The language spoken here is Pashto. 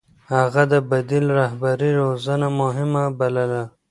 هغه د بديل رهبرۍ روزنه مهمه بلله.